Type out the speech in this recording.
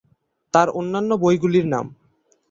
তার অন্যান্য বইগুলির নাম